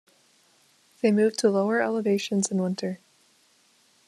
They move to lower elevations in winter.